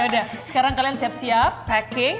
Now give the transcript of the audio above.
udah sekarang kalian siap siap packing